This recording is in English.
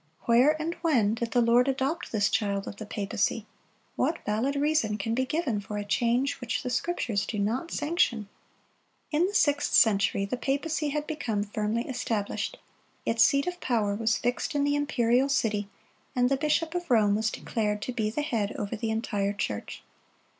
Where and when did the Lord adopt this child of the papacy? What valid reason can be given for a change which the Scriptures do not sanction? In the sixth century the papacy had become firmly established. Its seat of power was fixed in the imperial city, and the bishop of Rome was declared to be the head over the entire church.